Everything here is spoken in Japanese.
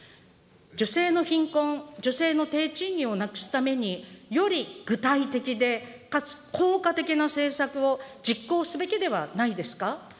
女性の貧困、女性の低賃金をなくすために、より具体的でかつ効果的な政策を実行すべきではないですか。